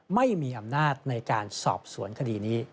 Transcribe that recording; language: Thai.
ไม่มีอำนาจในการสอบสวนคดีนี้